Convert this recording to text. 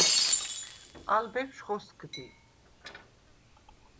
ალ ბეფშვ ხოსგდი.